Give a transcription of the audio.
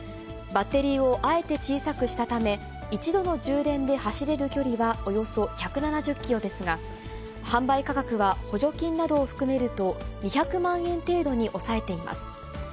バッテリーをあえて小さくしたため、１度の充電で走れる距離はおよそ１７０キロですが、販売価格は補助金などを含めると、２００万円程度に抑えています。